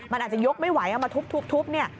มันอาจจะยกไม่ไหวเอามาทุบเนี่ย